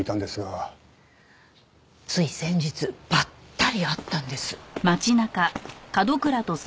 つい先日ばったり会ったんです。